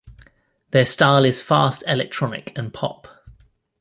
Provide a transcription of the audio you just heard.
Their style is fast electronic and pop.